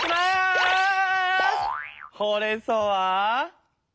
ほうれんそうは。